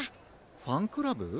ファンクラブ？